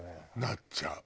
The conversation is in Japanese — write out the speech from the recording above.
なっちゃう。